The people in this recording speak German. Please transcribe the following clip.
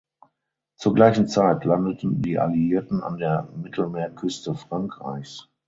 Zur gleichen Zeit landeten die Alliierten an der Mittelmeerküste Frankreichs.